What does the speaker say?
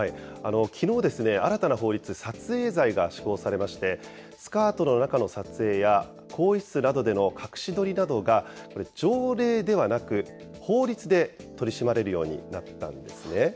きのう、新たな法律、撮影罪が施行されまして、スカートの中の撮影や、更衣室などでの隠し撮りなどが条例ではなく、法律で取り締まれるようになったんですね。